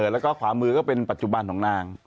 แล้วก็ขวามือก็เป็นปัจจุบันของนาง